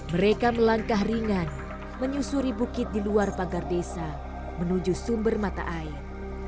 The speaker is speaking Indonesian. mereka melangkah ringan menyusuri bukit di luar pagar desa menuju sumber mata air